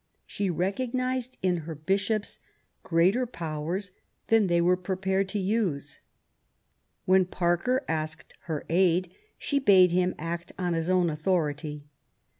She recognised in her Bishops greater powers than they were prepared to use. When Parker asked her aid she bade him act on his own authority.